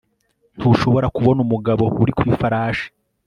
Ntushobora kubona umugabo uri ku ifarashi